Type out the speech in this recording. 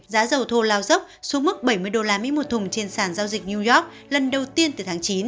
giá dầu thô lao dốc xuống mức bảy mươi usd một thùng trên sàn giao dịch new york lần đầu tiên từ tháng chín